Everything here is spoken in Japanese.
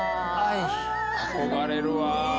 憧れるわ。